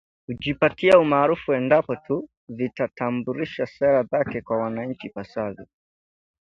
kujipatia umaarufu endapo tu vitatambulisha sera zake kwa wananchi ipasavyo